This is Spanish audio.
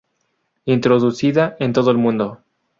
Introducida en todo el mundo.